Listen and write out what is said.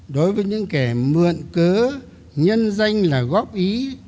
đối với những kẻ mượn cớ nhân danh là góp ý